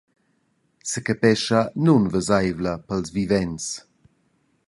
Secapescha nunveseivla pils vivents.